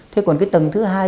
thế còn cái tầng thứ hai